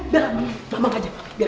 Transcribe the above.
biar mama ngajarin gitu